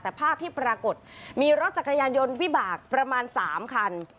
แต่ภาพที่ปรากฏมีรถจักรยานยนต์วิบากประมาณ๓คัน